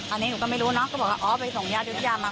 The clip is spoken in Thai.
อันนี้หนูก็ไม่รู้นะก็บอกว่าอ๋อไปส่งญาติอยุธยามา